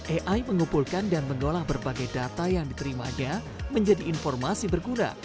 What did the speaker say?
ai mengumpulkan dan mengolah berbagai data yang diterimanya menjadi informasi berguna